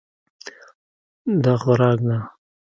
دا خوراک ده.